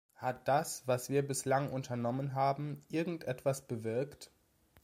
Hat das, was wir bislang unternommen haben, irgendetwas bewirkt?